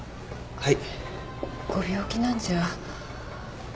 はい。